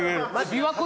琵琶湖